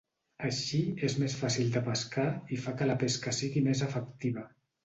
Així és més fàcil de pescar i fa que la pesca sigui més efectiva.